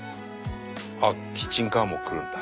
あっキッチンカーも来るんだ。